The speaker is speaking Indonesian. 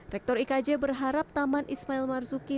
rektor ikj berharap taman ismail marzuki